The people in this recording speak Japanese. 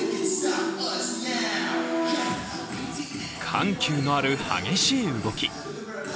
緩急のある激しい動き。